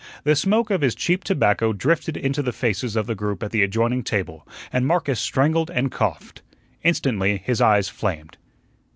The smoke of his cheap tobacco drifted into the faces of the group at the adjoining table, and Marcus strangled and coughed. Instantly his eyes flamed.